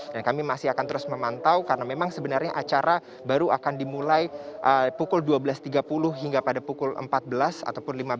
dan kami masih akan terus memantau karena memang sebenarnya acara baru akan dimulai pukul dua belas tiga puluh hingga pada pukul empat belas ataupun lima belas